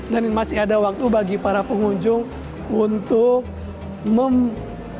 dan masih ada waktu bagi para pengunjung untuk mengambil